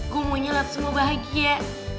gue mau nyelat semua bahagia